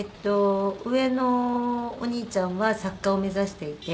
上のお兄ちゃんは作家を目指していて。